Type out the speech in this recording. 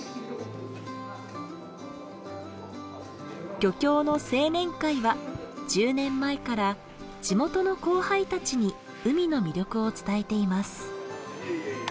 漁協の青年会は１０年前から地元の後輩たちに海の魅力を伝えています。